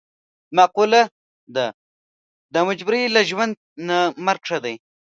معقوله ده: د مجبورۍ له ژوند نه مرګ ښه دی.